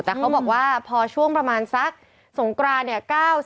แต่เขาบอกว่าพอช่วงประมาณสักสงกรานเนี่ย